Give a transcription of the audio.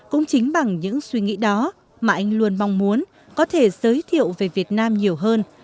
cũng chính bằng những suy nghĩ đó mà anh luôn mong muốn có thể giới thiệu về việt nam nhiều hơn